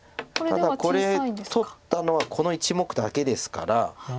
ただこれ取ったのはこの１目だけですから。